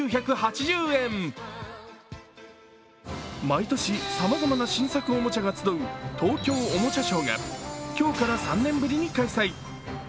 毎年、さまざまな新作おもちゃが集う東京おもちゃショーが今日から３年ぶりに開催。